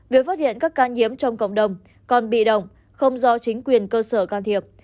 việc phát hiện các ca nhiễm trong cộng đồng còn bị động không do chính quyền cơ sở can thiệp